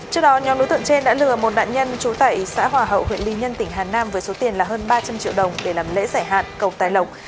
trước đó nhóm đối tượng trên đã lừa một nạn nhân trú tại xã hòa hậu huyện lý nhân tỉnh hà nam với số tiền là hơn ba trăm linh triệu đồng để làm lễ giải hạn cầu tài lộc